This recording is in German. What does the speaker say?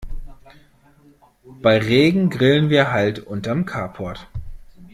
Bei Regen grillen wir halt unterm Carport.